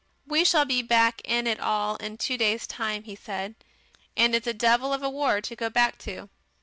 "We shall be back in it all in two days' time," he said. "And it's a devil of a war to go back to.